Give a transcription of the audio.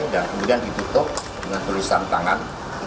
dan kemudian dibutuh dengan tulisan tangan